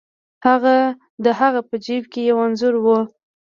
د هغه په جیب کې یو انځور و.